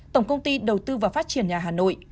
tổng công ty đầu tư và phát triển nhà hà nội